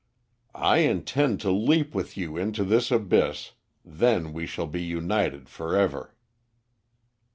"I intend to leap with you into this abyss; then we shall be united for ever."